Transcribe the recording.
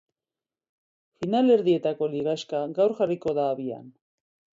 Finalerdietako ligaxka gaur jarriko da abian.